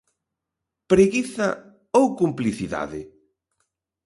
Preguiza ou complicidade?